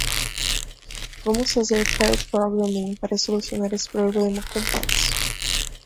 Vamos fazer pair programming para solucionar esse problema complexo.